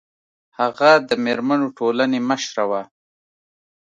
هغه د میرمنو ټولنې مشره وه